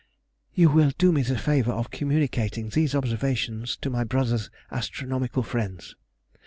You will do me the favour of communicating these observations to my brother's astronomical friends.